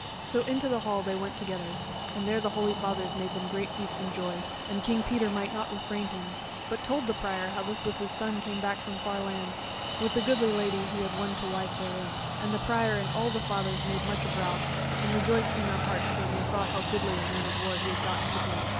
So into the Hall they went together, and there the holy fathers made them great feast and joy; and King Peter might not refrain him, but told the Prior how this was his son come back from far lands, with the goodly Lady he had won to wife therein; and the Prior and all the fathers made much of Ralph, and rejoiced in their hearts when they saw how goodly a man of war he had gotten to be.